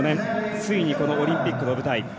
ついに、このオリンピックの舞台。